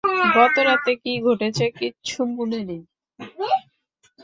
গত রাতে কী ঘটেছে কিচ্ছু মনে নেই।